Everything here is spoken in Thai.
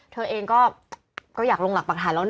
เธอเองก็คุยกันดีกว่าอยากลงหลักปังทางแล้วนะคะ